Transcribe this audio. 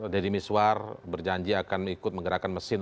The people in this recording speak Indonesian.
deddy miswar berjanji akan ikut menggerakkan mesin